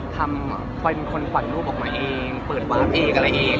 ทำคนขวัดรูปออกมาเองเปิดวาดเองอะไรเอง